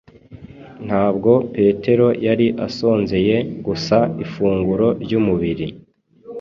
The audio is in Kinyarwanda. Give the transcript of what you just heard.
Ntabwo Petero yari asonzeye gusa ifunguro ry’umubiri.